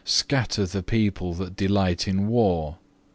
Scatter the people that delight in war.